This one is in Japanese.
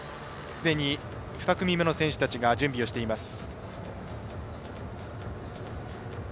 すでに２組目の選手たちが準備をしています。